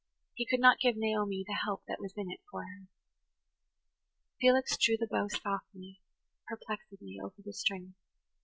He could not give Naomi the help that was in it for her. Felix drew the bow softly, perplexedly over the strings.